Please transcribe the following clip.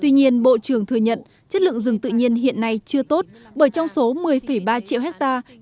tuy nhiên bộ trưởng thừa nhận chất lượng rừng tự nhiên hiện nay chưa tốt bởi trong số một mươi ba triệu hectare